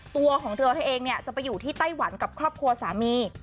ตัวของเธอเธอเองเนี่ยจะไปอยู่ที่ไต้หวันกับครอบครัวสามี